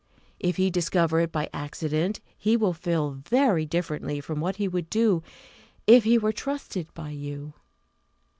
If he discover it by accident, he will feel very differently from what he would do if he were trusted by you."